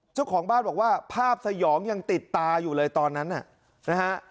เจ้าของบ้านบอกว่าภาพสยองยังติดตาอยู่เลยตอนนั้นน่ะนะฮะ